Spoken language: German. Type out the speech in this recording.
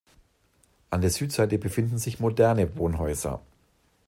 An der Südseite befinden sich moderne Wohnhäuser.